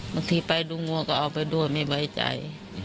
ไปดูงัวก็เอาไปด้วยไม่ไว้ใจ